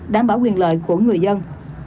đảm bảo quyền lợi của người dân